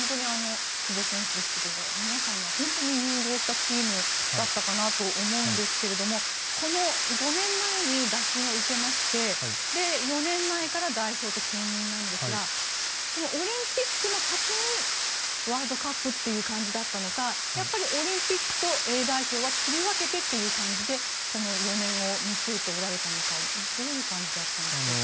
久保選手ですとか皆さんが本当に融合したチームだったかなと思うんですが５年前に打診を受けまして４年前から代表と兼任なんですがそのオリンピックの先にワールドカップという感じだったのかオリンピックとＡ代表は切り分けてという感じでこの４年を見据えておられたのかどういう感じだったんでしょうか。